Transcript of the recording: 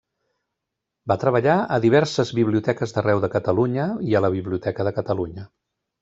Va treballar a diverses biblioteques d'arreu de Catalunya i a la Biblioteca de Catalunya.